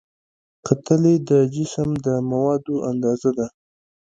کتلې د جسم د موادو اندازه ده.